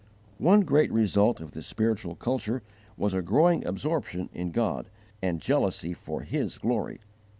One great result of this spiritual culture was a growing absorption in God and jealousy for His glory.